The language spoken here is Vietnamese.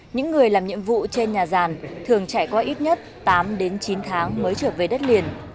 những người làm nhiệm vụ trên nhà giàn thường trải qua ít nhất tám đến chín tháng mới trở về đất liền